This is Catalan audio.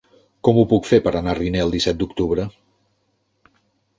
Com ho puc fer per anar a Riner el disset d'octubre?